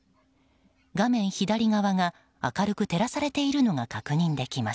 画面左側が明るく照らされているのが確認できます。